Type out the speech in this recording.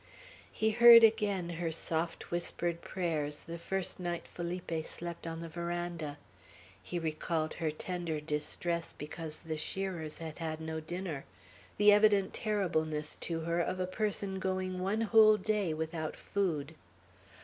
He heard again her soft whispered prayers the first night Felipe slept on the veranda. He recalled her tender distress because the shearers had had no dinner; the evident terribleness to her of a person going one whole day without food.